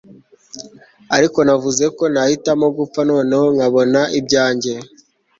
ariko navuze ko nahitamo gupfa noneho nkabona ibyanjye